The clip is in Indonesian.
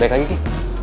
balik lagi ki